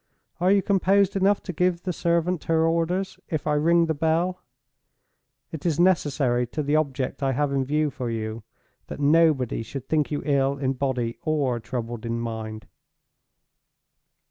Are you composed enough to give the servant her orders, if I ring the bell? It is necessary to the object I have in view for you, that nobody should think you ill in body or troubled in mind.